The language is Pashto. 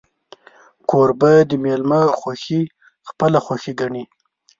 کوربه د میلمه خوښي خپله خوښي ګڼي.